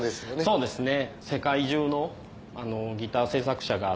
そうですね。